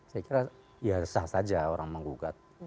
saya kira ya sah saja orang menggugat